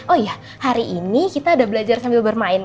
oh iya hari ini kita udah belajar sambil bermain